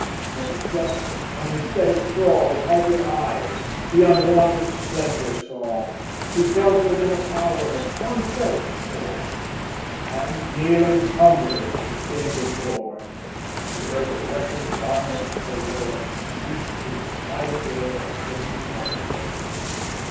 Even the Jester, on his bed of straw, With haggard eyes the unwonted splendor saw, He felt within a power unfelt before, And, kneeling humbly on the chamber floor, He heard the rushing garments of the Lord Sweep through the silent air, ascending heavenward.